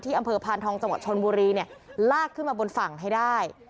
ที่อำเภอพานทองจมชนบุรีลากขึ้นมาบนฝั่งให้ได้